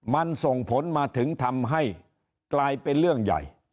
มันส่งผลมาถึงทำให้กลายเป็นเรื่องใหญ่